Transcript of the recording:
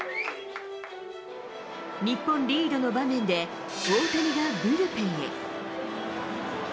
日本リードの場面で、大谷がブルペンへ。